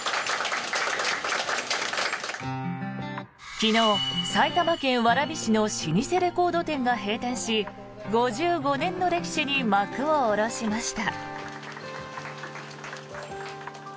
昨日、埼玉県蕨市の老舗レコード店が閉店し５５年の歴史に幕を下ろしました。